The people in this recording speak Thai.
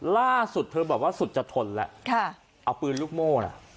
ล่าสุดเธอบอกว่าสุดจะทนแล้วค่ะเอาปืนลูกโม่น่ะ